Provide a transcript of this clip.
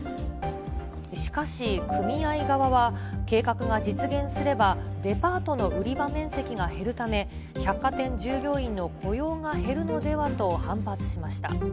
しかし、組合側は計画が実現すれば、デパートの売り場面積が減るため、百貨店従業員の雇用が減るのではと反発しました。